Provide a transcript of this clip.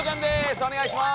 お願いします。